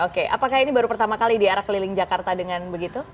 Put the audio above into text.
oke apakah ini baru pertama kali di arah keliling jakarta dengan begitu